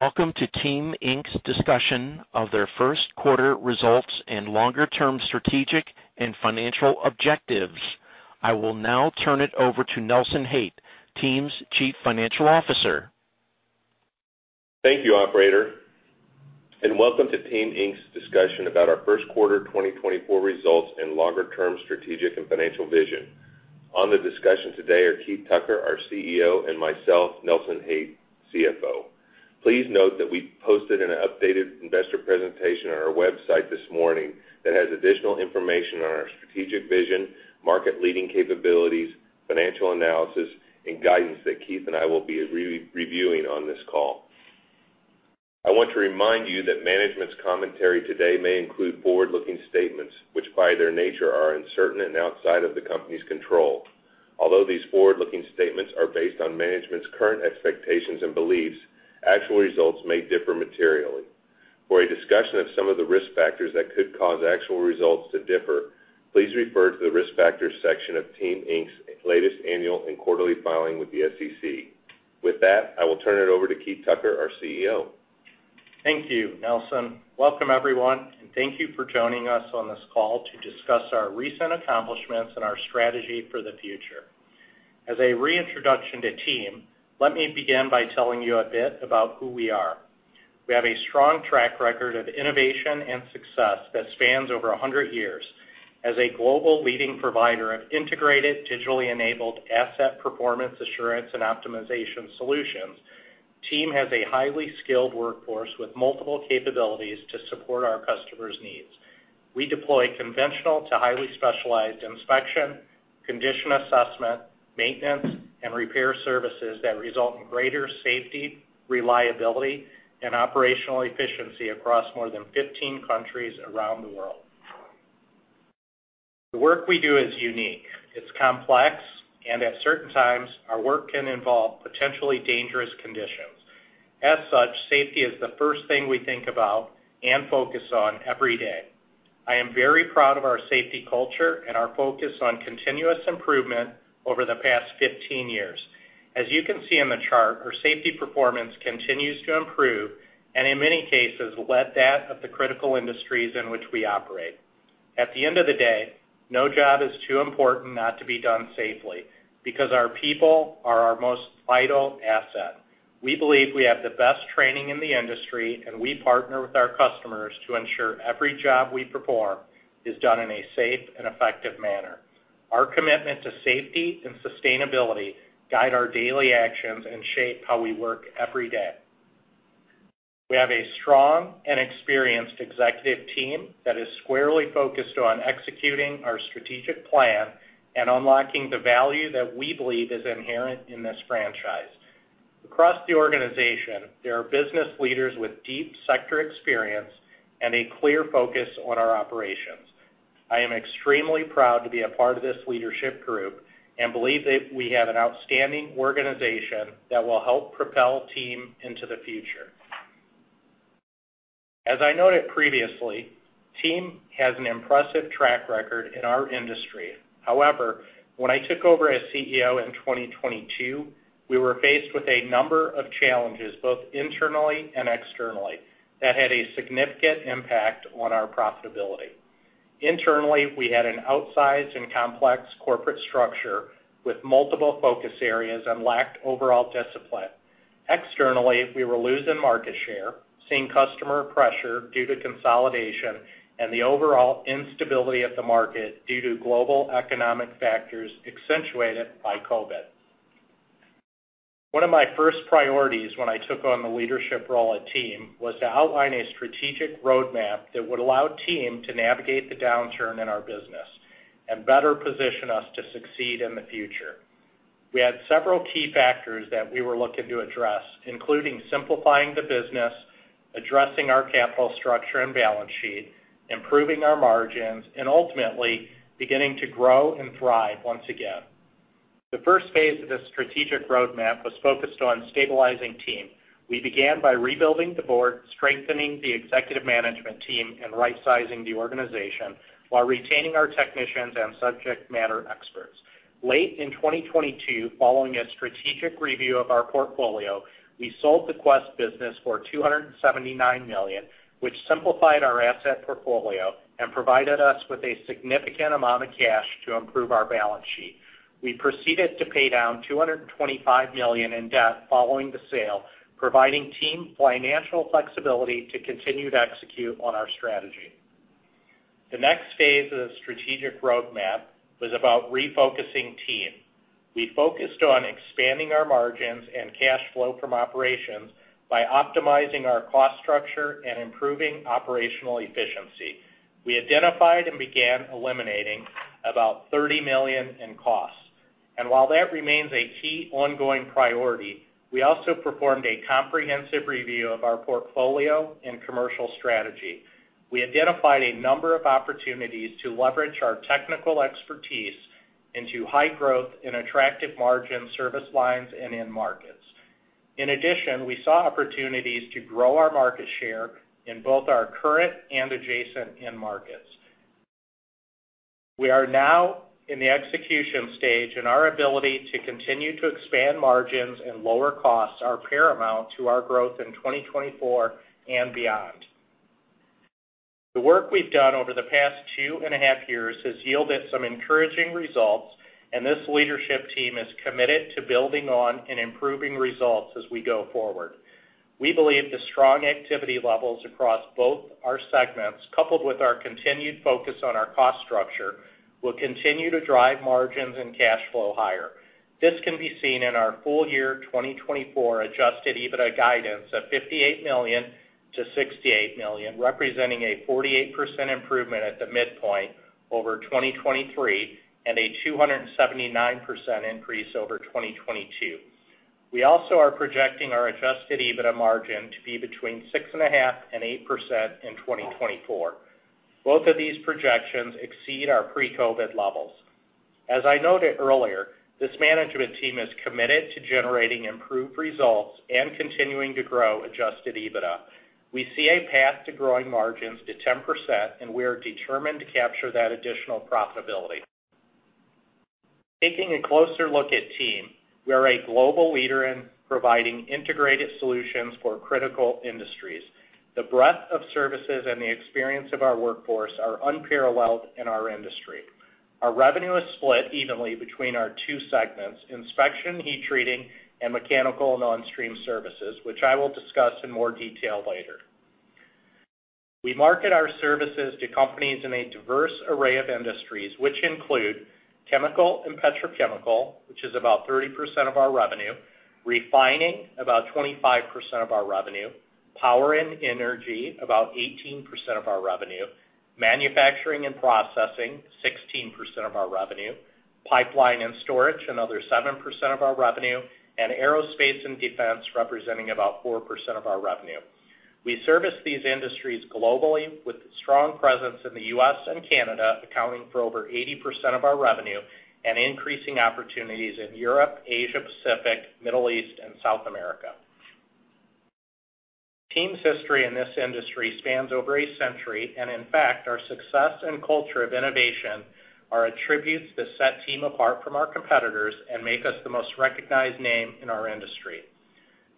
...Welcome to Team, Inc.'s discussion of their first quarter results and longer-term strategic and financial objectives. I will now turn it over to Nelson Haight, Team, Inc.'s Chief Financial Officer. Thank you, operator, and welcome to Team, Inc.'s discussion about our first quarter 2024 results and longer-term strategic and financial vision. On the discussion today are Keith Tucker, our CEO, and myself, Nelson Haight, CFO. Please note that we posted an updated investor presentation on our website this morning that has additional information on our strategic vision, market-leading capabilities, financial analysis, and guidance that Keith and I will be reviewing on this call. I want to remind you that management's commentary today may include forward-looking statements, which, by their nature, are uncertain and outside of the company's control. Although these forward-looking statements are based on management's current expectations and beliefs, actual results may differ materially. For a discussion of some of the risk factors that could cause actual results to differ, please refer to the Risk Factors section of Team, Inc.'s latest annual and quarterly filing with the SEC. With that, I will turn it over to Keith Tucker, our CEO. Thank you, Nelson. Welcome, everyone, and thank you for joining us on this call to discuss our recent accomplishments and our strategy for the future. As a reintroduction to Team, let me begin by telling you a bit about who we are. We have a strong track record of innovation and success that spans over 100 years. As a global leading provider of integrated, digitally enabled asset performance, assurance, and optimization solutions, Team has a highly skilled workforce with multiple capabilities to support our customers' needs. We deploy conventional to highly specialized inspection, condition assessment, maintenance, and repair services that result in greater safety, reliability, and operational efficiency across more than 15 countries around the world. The work we do is unique, it's complex, and at certain times, our work can involve potentially dangerous conditions. As such, safety is the first thing we think about and focus on every day. I am very proud of our safety culture and our focus on continuous improvement over the past 15 years. As you can see in the chart, our safety performance continues to improve, and in many cases, better than that of the critical industries in which we operate. At the end of the day, no job is too important not to be done safely, because our people are our most vital asset. We believe we have the best training in the industry, and we partner with our customers to ensure every job we perform is done in a safe and effective manner. Our commitment to safety and sustainability guide our daily actions and shape how we work every day. We have a strong and experienced executive team that is squarely focused on executing our strategic plan and unlocking the value that we believe is inherent in this franchise. Across the organization, there are business leaders with deep sector experience and a clear focus on our operations. I am extremely proud to be a part of this leadership group and believe that we have an outstanding organization that will help propel Team into the future. As I noted previously, Team has an impressive track record in our industry. However, when I took over as CEO in 2022, we were faced with a number of challenges, both internally and externally, that had a significant impact on our profitability. Internally, we had an outsized and complex corporate structure with multiple focus areas and lacked overall discipline. Externally, we were losing market share, seeing customer pressure due to consolidation and the overall instability of the market due to global economic factors accentuated by COVID. One of my first priorities when I took on the leadership role at Team was to outline a strategic roadmap that would allow Team to navigate the downturn in our business and better position us to succeed in the future. We had several key factors that we were looking to address, including simplifying the business, addressing our capital structure and balance sheet, improving our margins, and ultimately, beginning to grow and thrive once again. The first phase of this strategic roadmap was focused on stabilizing Team. We began by rebuilding the board, strengthening the executive management team, and rightsizing the organization while retaining our technicians and subject matter experts. Late in 2022, following a strategic review of our portfolio, we sold the Quest business for $279 million, which simplified our asset portfolio and provided us with a significant amount of cash to improve our balance sheet. We proceeded to pay down $225 million in debt following the sale, providing Team financial flexibility to continue to execute on our strategy. The next phase of the strategic roadmap was about refocusing Team. We focused on expanding our margins and cash flow from operations by optimizing our cost structure and improving operational efficiency. We identified and began eliminating about $30 million in costs. And while that remains a key ongoing priority, we also performed a comprehensive review of our portfolio and commercial strategy. We identified a number of opportunities to leverage our technical expertise into high growth and attractive margin service lines and end markets. In addition, we saw opportunities to grow our market share in both our current and adjacent end markets.... We are now in the execution stage, and our ability to continue to expand margins and lower costs are paramount to our growth in 2024 and beyond. The work we've done over the past two and a half years has yielded some encouraging results, and this leadership team is committed to building on and improving results as we go forward. We believe the strong activity levels across both our segments, coupled with our continued focus on our cost structure, will continue to drive margins and cash flow higher. This can be seen in our full year 2024 Adjusted EBITDA guidance of $58 million-$68 million, representing a 48% improvement at the midpoint over 2023 and a 279% increase over 2022. We also are projecting our Adjusted EBITDA margin to be between 6.5% and 8% in 2024. Both of these projections exceed our pre-COVID levels. As I noted earlier, this management team is committed to generating improved results and continuing to grow Adjusted EBITDA. We see a path to growing margins to 10%, and we are determined to capture that additional profitability. Taking a closer look at Team, we are a global leader in providing integrated solutions for critical industries. The breadth of services and the experience of our workforce are unparalleled in our industry. Our revenue is split evenly between our two segments, Inspection and Heat Treating, and Mechanical and On-Stream Services, which I will discuss in more detail later. We market our services to companies in a diverse array of industries, which include chemical and petrochemical, which is about 30% of our revenue, refining, about 25% of our revenue, power and energy, about 18% of our revenue, manufacturing and processing, 16% of our revenue, pipeline and storage, another 7% of our revenue, and aerospace and defense, representing about 4% of our revenue. We service these industries globally with a strong presence in the U.S. and Canada, accounting for over 80% of our revenue and increasing opportunities in Europe, Asia, Pacific, Middle East, and South America. Team's history in this industry spans over a century, and in fact, our success and culture of innovation are attributes that set Team apart from our competitors and make us the most recognized name in our industry.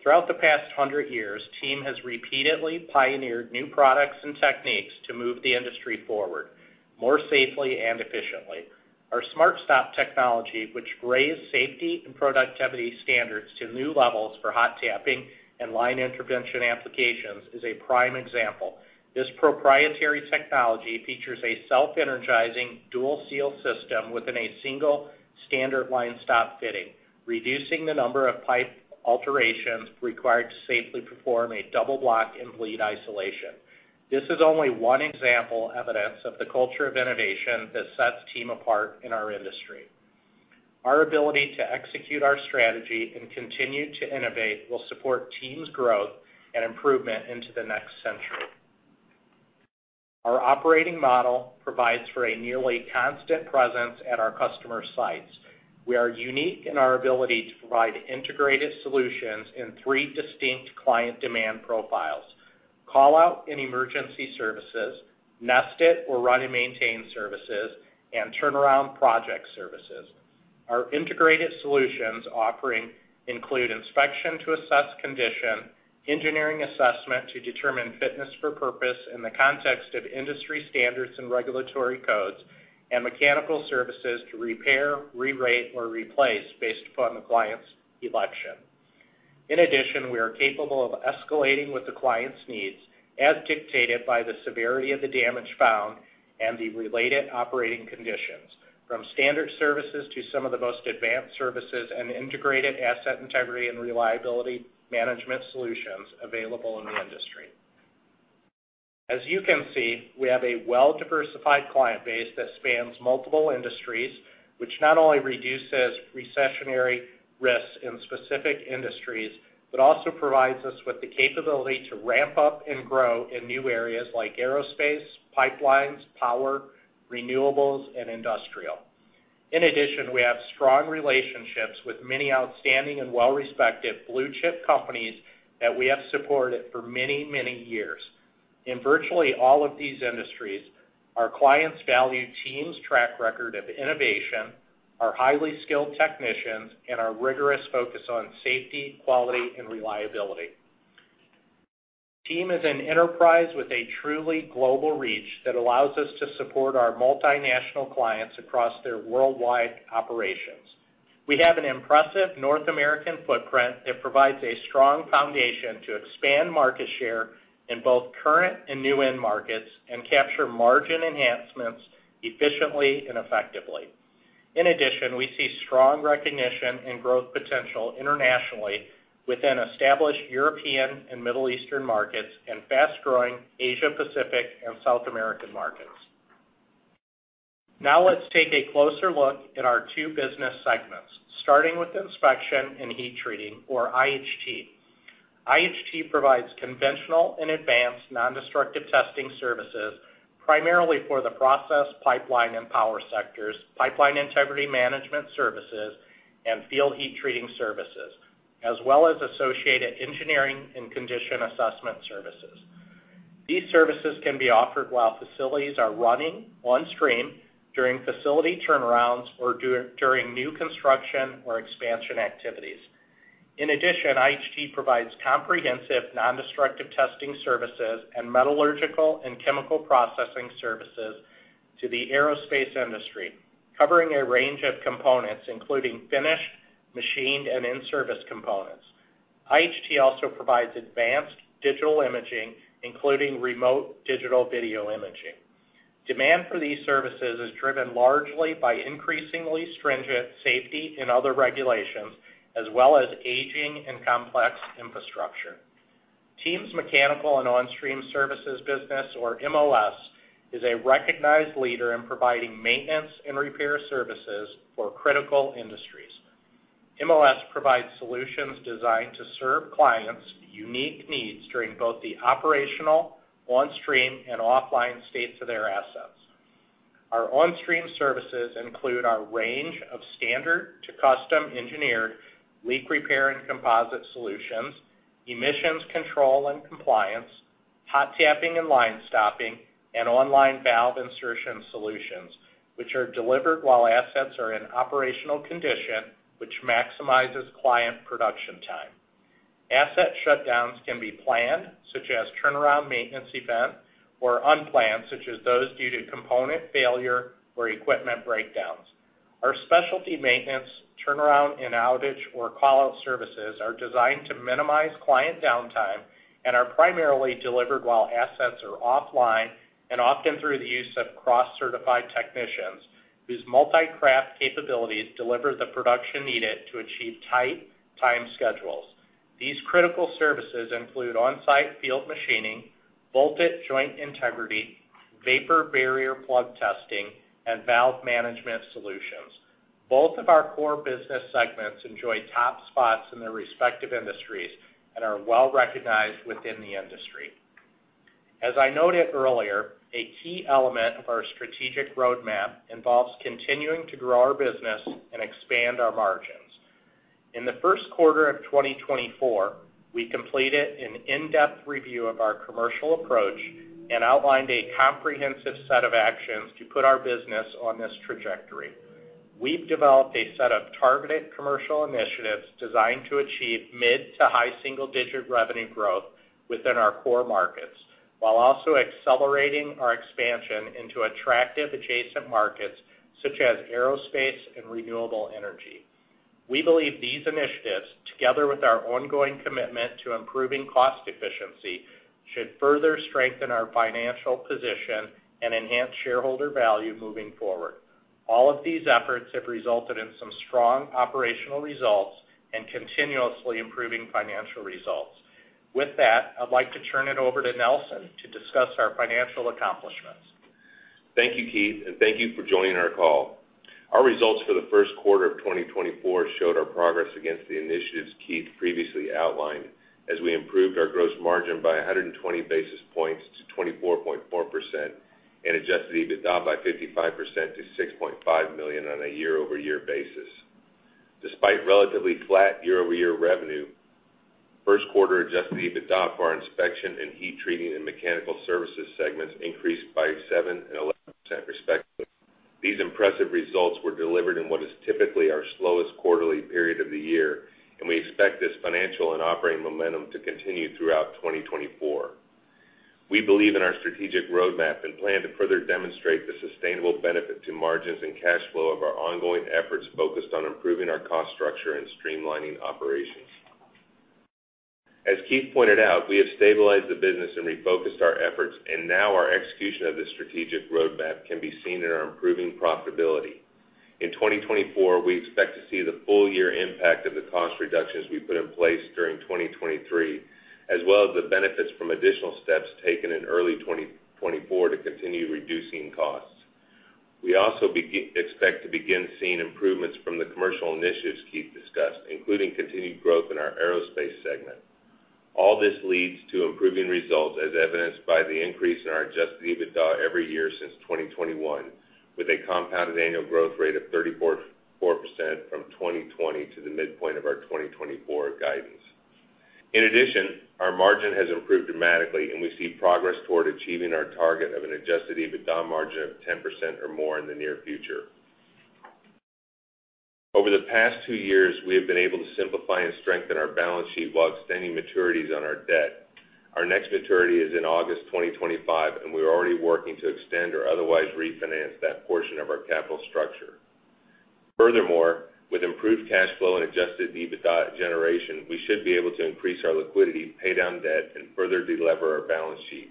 Throughout the past 100 years, Team has repeatedly pioneered new products and techniques to move the industry forward, more safely and efficiently. Our SmartStop technology, which raised safety and productivity standards to new levels for hot tapping and line intervention applications, is a prime example. This proprietary technology features a self-energizing dual seal system within a single standard line stop fitting, reducing the number of pipe alterations required to safely perform a double block and bleed isolation. This is only one example evidence of the culture of innovation that sets Team apart in our industry. Our ability to execute our strategy and continue to innovate will support Team's growth and improvement into the next century. Our operating model provides for a nearly constant presence at our customer sites. We are unique in our ability to provide integrated solutions in three distinct client demand profiles: call-out and emergency services, nested or run-and-maintain services, and turnaround project services. Our integrated solutions offering include inspection to assess condition, engineering assessment to determine fitness for purpose in the context of industry standards and regulatory codes, and Mechanical Services to repair, re-rate, or replace based upon the client's election. In addition, we are capable of escalating with the client's needs, as dictated by the severity of the damage found and the related operating conditions, from standard services to some of the most advanced services and integrated asset integrity and reliability management solutions available in the industry. As you can see, we have a well-diversified client base that spans multiple industries, which not only reduces recessionary risks in specific industries, but also provides us with the capability to ramp up and grow in new areas like aerospace, pipelines, power, renewables, and industrial. In addition, we have strong relationships with many outstanding and well-respected blue-chip companies that we have supported for many, many years. In virtually all of these industries, our clients value Team's track record of innovation, our highly skilled technicians, and our rigorous focus on safety, quality, and reliability. Team is an enterprise with a truly global reach that allows us to support our multinational clients across their worldwide operations. We have an impressive North American footprint that provides a strong foundation to expand market share in both current and new end markets and capture margin enhancements efficiently and effectively. In addition, we see strong recognition and growth potential internationally within established European and Middle Eastern markets and fast-growing Asia, Pacific, and South American markets. Now, let's take a closer look at our two business segments, starting with inspection and heat treating or IHT. IHT provides conventional and advanced nondestructive testing services, primarily for the process, pipeline, and power sectors, pipeline integrity management services, and field heat treating services, as well as associated engineering and condition assessment services. These services can be offered while facilities are running on stream, during facility turnarounds, or during new construction or expansion activities. In addition, IHT provides comprehensive nondestructive testing services and metallurgical and chemical processing services to the aerospace industry, covering a range of components, including finished, machined, and in-service components. IHT also provides advanced digital imaging, including remote digital video imaging. Demand for these services is driven largely by increasingly stringent safety and other regulations, as well as aging and complex infrastructure. Team's Mechanical and On-Stream Services business, or MLS, is a recognized leader in providing maintenance and repair services for critical industries. MLS provides solutions designed to serve clients' unique needs during both the operational, on-stream, and offline states of their assets. Our on-stream services include our range of standard to custom-engineered leak repair and composite solutions, emissions control and compliance, hot tapping and line stopping, and online valve insertion solutions, which are delivered while assets are in operational condition, which maximizes client production time. Asset shutdowns can be planned, such as turnaround maintenance event, or unplanned, such as those due to component failure or equipment breakdowns. Our specialty maintenance, turnaround and outage, or call-out services are designed to minimize client downtime and are primarily delivered while assets are offline and often through the use of cross-certified technicians, whose multi-craft capabilities deliver the production needed to achieve tight time schedules. These critical services include on-site field machining, bolted joint integrity, vapor barrier plug testing, and valve management solutions. Both of our core business segments enjoy top spots in their respective industries and are well recognized within the industry. As I noted earlier, a key element of our strategic roadmap involves continuing to grow our business and expand our margins. In the first quarter of 2024, we completed an in-depth review of our commercial approach and outlined a comprehensive set of actions to put our business on this trajectory. We've developed a set of targeted commercial initiatives designed to achieve mid to high single-digit revenue growth within our core markets, while also accelerating our expansion into attractive adjacent markets, such as aerospace and renewable energy. We believe these initiatives, together with our ongoing commitment to improving cost efficiency, should further strengthen our financial position and enhance shareholder value moving forward. All of these efforts have resulted in some strong operational results and continuously improving financial results. With that, I'd like to turn it over to Nelson to discuss our financial accomplishments. Thank you, Keith, and thank you for joining our call. Our results for the first quarter of 2024 showed our progress against the initiatives Keith previously outlined, as we improved our gross margin by 120 basis points to 24.4% and adjusted EBITDA by 55% to $6.5 million on a year-over-year basis. Despite relatively flat year-over-year revenue, first quarter adjusted EBITDA for our Inspection and Heat Treating and Mechanical Services segments increased by 7% and 11%, respectively. These impressive results were delivered in what is typically our slowest quarterly period of the year, and we expect this financial and operating momentum to continue throughout 2024. We believe in our strategic roadmap and plan to further demonstrate the sustainable benefit to margins and cash flow of our ongoing efforts focused on improving our cost structure and streamlining operations. As Keith pointed out, we have stabilized the business and refocused our efforts, and now our execution of this strategic roadmap can be seen in our improving profitability. In 2024, we expect to see the full year impact of the cost reductions we put in place during 2023, as well as the benefits from additional steps taken in early 2024 to continue reducing costs. We also expect to begin seeing improvements from the commercial initiatives Keith discussed, including continued growth in our aerospace segment. All this leads to improving results, as evidenced by the increase in our Adjusted EBITDA every year since 2021, with a compounded annual growth rate of 34% from 2020 to the midpoint of our 2024 guidance. In addition, our margin has improved dramatically, and we see progress toward achieving our target of an Adjusted EBITDA margin of 10% or more in the near future. Over the past two years, we have been able to simplify and strengthen our balance sheet while extending maturities on our debt. Our next maturity is in August 2025, and we are already working to extend or otherwise refinance that portion of our capital structure. Furthermore, with improved cash flow and Adjusted EBITDA generation, we should be able to increase our liquidity, pay down debt, and further deliver our balance sheet.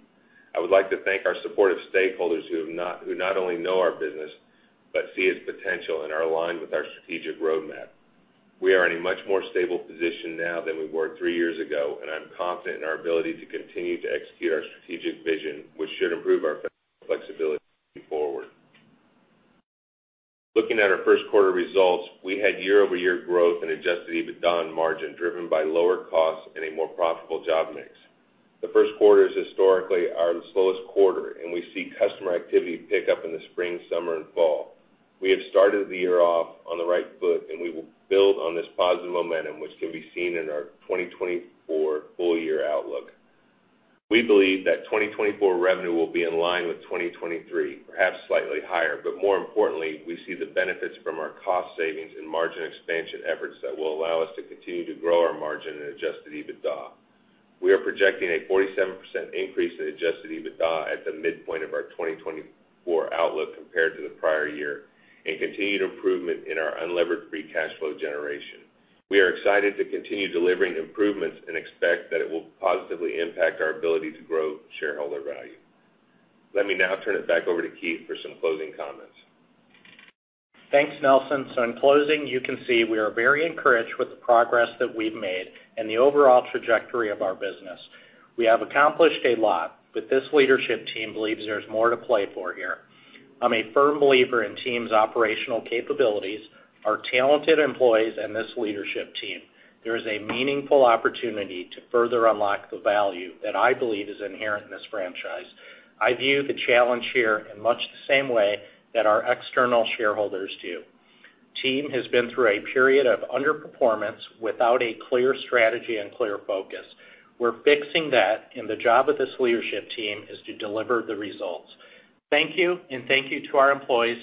I would like to thank our supportive stakeholders who not only know our business, but see its potential and are aligned with our strategic roadmap. We are in a much more stable position now than we were three years ago, and I'm confident in our ability to continue to execute our strategic vision, which should improve our flexibility moving forward. Looking at our first quarter results, we had year-over-year growth and Adjusted EBITDA margin, driven by lower costs and a more profitable job mix. The first quarter is historically our slowest quarter, and we see customer activity pick up in the spring, summer, and fall. We have started the year off on the right foot, and we will build on this positive momentum, which can be seen in our 2024 full-year outlook. We believe that 2024 revenue will be in line with 2023, perhaps slightly higher, but more importantly, we see the benefits from our cost savings and margin expansion efforts that will allow us to continue to grow our margin and Adjusted EBITDA. We are projecting a 47% increase in Adjusted EBITDA at the midpoint of our 2024 outlook compared to the prior year and continued improvement in our unlevered free cash flow generation. We are excited to continue delivering improvements and expect that it will positively impact our ability to grow shareholder value. Let me now turn it back over to Keith for some closing comments. Thanks, Nelson. So in closing, you can see we are very encouraged with the progress that we've made and the overall trajectory of our business. We have accomplished a lot, but this leadership team believes there's more to play for here. I'm a firm believer in Team's operational capabilities, our talented employees, and this leadership team. There is a meaningful opportunity to further unlock the value that I believe is inherent in this franchise. I view the challenge here in much the same way that our external shareholders do. Team has been through a period of underperformance without a clear strategy and clear focus. We're fixing that, and the job of this leadership team is to deliver the results. Thank you, and thank you to our employees.